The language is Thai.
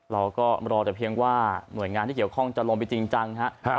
เราก็รอแต่เพียงว่าหน่วยงานที่เกี่ยวข้องจะลงไปจริงจังครับ